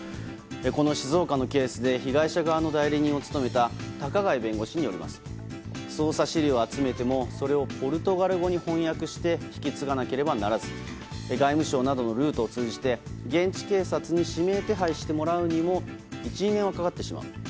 この静岡のケースで被害者側の代理人を務めた高貝弁護士によりますと捜査資料を集めてもそれをポルトガル語に翻訳して引き継がなければならず外務省などのルートを通じて現地警察に指名手配してもらうにも１２年はかかってしまう。